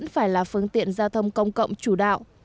phải là phương tiện giao thông công cộng chủ đạo